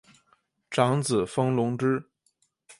长子封隆之。